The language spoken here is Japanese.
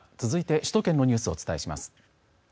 続いて首都圏のニュースをお伝えします。